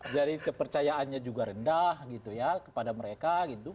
jadi kepercayaannya juga rendah kepada mereka